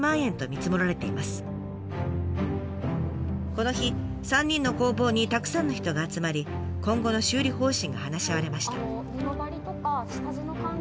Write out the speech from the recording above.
この日３人の工房にたくさんの人が集まり今後の修理方針が話し合われました。